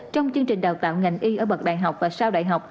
trong chương trình đào tạo ngành y ở bậc đại học và sau đại học